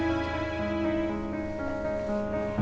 ini udah berakhir